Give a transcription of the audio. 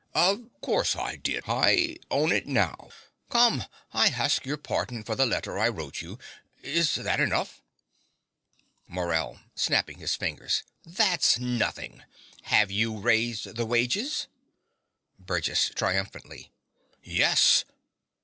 Of course I did. I hown it now. Come: I harsk your pardon for the letter I wrote you. Is that enough? MORELL (snapping his fingers). That's nothing. Have you raised the wages? BURGESS (triumphantly). Yes.